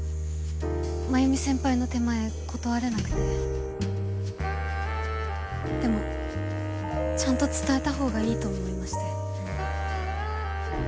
繭美先輩の手前断れでもちゃんと伝えた方がいいと思いま